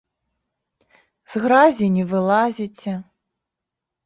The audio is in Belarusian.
З гразі не вылазіце.